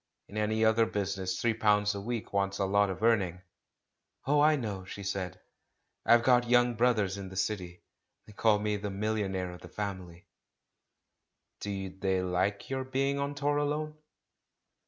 In any other business three pounds a week wants a lot of earning." "Oh, I know," she said. "I've got young brothers in the city. They call me 'the million aire of the family.' '* "Do they like your being on tour alone?"